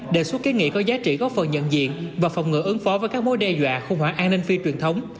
đề xuất kiến nghị có giá trị góp phần nhận diện và phòng ngựa ứng phó với các mối đe dọa khủng hoảng an ninh phi truyền thống